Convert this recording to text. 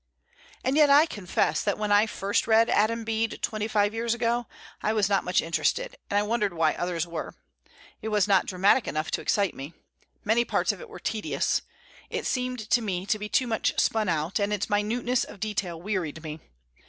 And yet I confess, that when I first read "Adam Bede," twenty five years ago, I was not much interested, and I wondered why others were. It was not dramatic enough to excite me. Many parts of it were tedious. It seemed to me to be too much spun out, and its minuteness of detail wearied me.